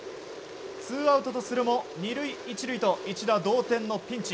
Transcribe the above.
ツーアウトとするも２塁１塁と一打同点のピンチ。